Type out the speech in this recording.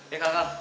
eh kal kal